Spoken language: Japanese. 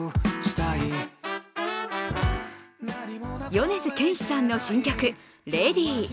米津玄師さんの新曲「ＬＡＤＹ」。